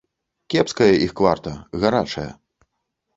Кепская іх кварта, гарачая.